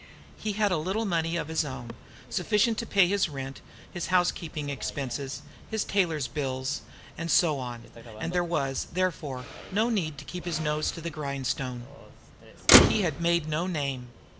He had a little money of his own sufficient to pay his rent, his housekeeping expenses, his tailor's bills and so on; and there was, therefore, no need to keep his nose to the grindstone. But he had made no name.